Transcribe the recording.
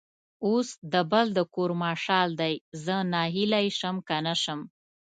اوس د بل د کور مشال دی؛ زه ناهیلی شم که نه شم.